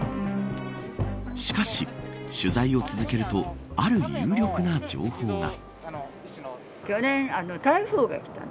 しかし、取材を続けるとある有力な情報が。